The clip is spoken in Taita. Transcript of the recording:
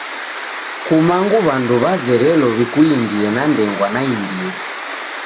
Kumangu w'andu w'izerelo w'ikulindie na ndengwa naimbiri.